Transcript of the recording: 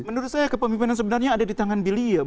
menurut saya kepemimpinan sebenarnya ada di tangan bilia